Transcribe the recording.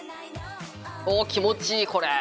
お気持ちいいこれ。